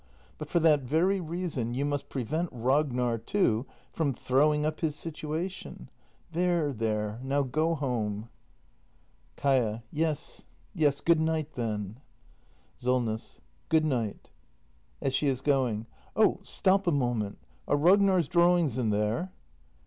But for that very reason, you must prevent Ragnar, too, from throwing up his situation. There, there, — now go home. 266 THE MASTER BUILDER [act i Kaia. Yes, yes — good night, then. Solness. Good night. [As she is going.] Oh, stop a moment! Are Ragnar's drawings in there